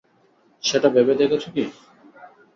সেটা ভেবে দেখেছ কী?